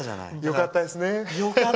よかったですね。